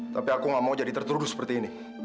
tapi aku gak mau jadi tertuduh seperti ini